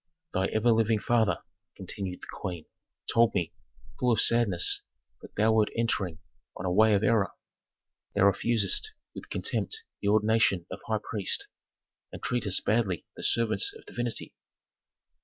"Thy ever living father," continued the queen, "told me, full of sadness, that thou wert entering on a way of error. Thou refusest with contempt the ordination of high priest, and treatest badly the servants of divinity."